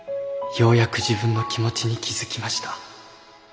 ようやく自分の気持ちに気付きました。